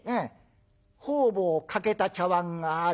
方々欠けた茶碗がある？